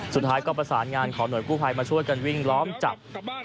สุดท้ายก็ประสานงานขอหน่วยกู้ภัยมาช่วยกันวิ่งล้อมจับ